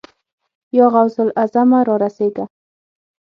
يا غوث الاعظمه! را رسېږه.